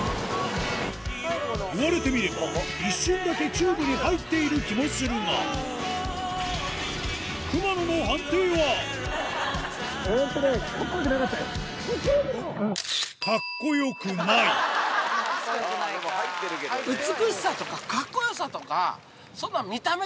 言われてみれば一瞬だけチューブに入っている気もするがあぁでも入ってるけどね。